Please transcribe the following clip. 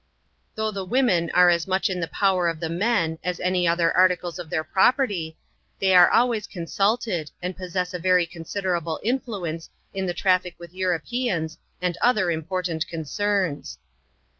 Though the women are as much in the power of the men, as any other articles of their property, they are always con sulted, and possess a very considerable influence in the traffic with Europeans, and other important concerns.